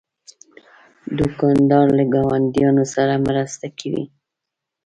دوکاندار له ګاونډیانو سره مرسته کوي.